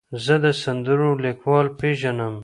زه د سندرو لیکوال پیژنم.